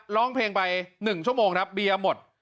ร้องเพลงไป๑ชมเราเบียร์หมด